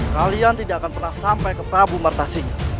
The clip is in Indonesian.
kalian tidak akan pernah sampai ke prabu marta sing